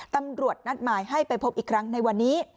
ตำรวจนัดหมายให้ไปพบอีกครั้งในวันนี้